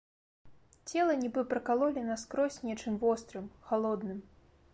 Цела нібы пракалолі наскрозь нечым вострым, халодным.